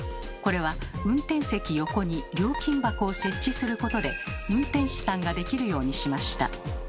これは運転席横に料金箱を設置することで運転手さんができるようにしました。